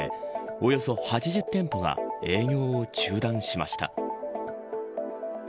およそ８０店舗が営業を中断しました。